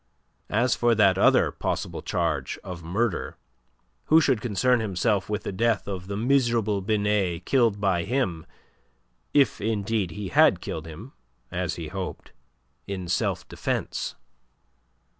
As for that other possible charge of murder, who should concern himself with the death of the miserable Binet killed by him if, indeed, he had killed him, as he hoped in self defence.